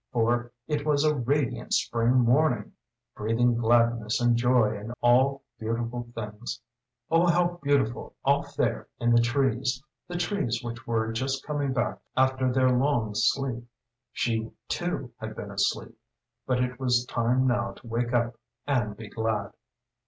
For it was a radiant spring morning, breathing gladness and joy and all beautiful things. Oh how beautiful off there in the trees! the trees which were just coming back to life after their long sleep. She too had been asleep but it was time now to wake up and be glad!